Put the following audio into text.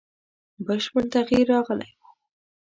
بشپړ تغییر راغلی وو.